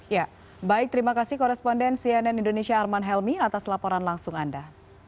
ya baik terima kasih koresponden cnn indonesia arman helmi atas laporan langsung anda